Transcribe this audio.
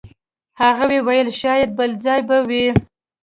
هغوی ویل شاید بل ځای به وئ.